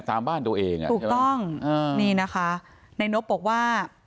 ตามบ้านตัวเองอ่ะถูกต้องอ่านี่นะคะในนบบอกว่า